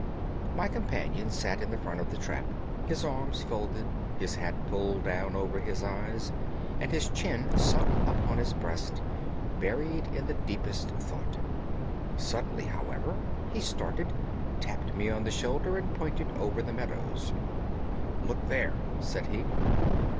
My companion sat in the front of the trap, his arms folded, his hat pulled down over his eyes, and his chin sunk upon his breast, buried in the deepest thought. Suddenly, however, he started, tapped me on the shoulder, and pointed over the meadows. "Look there!" said he.